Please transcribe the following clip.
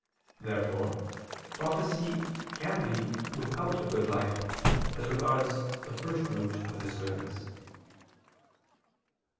Therefore prophecy can be without a good life, as regards the first root of this goodness.